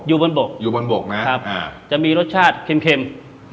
อยู่บนบกอยู่บนบกนะครับอ่าจะมีรสชาติเค็มเค็ม